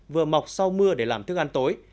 vừa mọc sau mưa để làm thức ăn tối